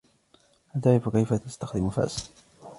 هل تعرف كيف تستخدم فأس